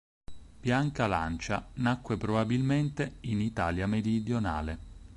Bianca Lancia nacque, probabilmente, in Italia Meridionale.